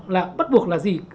là bắt buộc là gì